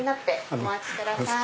お待ちください。